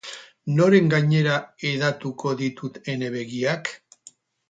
Noren gainera hedatuko ditut ene begiak?